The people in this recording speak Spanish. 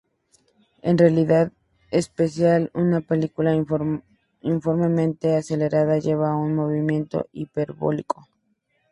En relatividad especial, una partícula uniformemente acelerada lleva un movimiento hiperbólico.